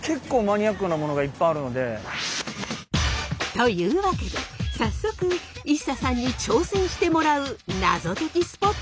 というわけで早速ＩＳＳＡさんに挑戦してもらうナゾ解きスポットは。